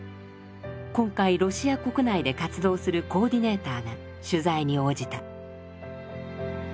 今回ロシア国内で活動するコーディネーターが取材に応じた。